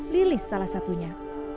lilis salah satunya